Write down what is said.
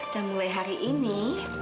dan mulai hari ini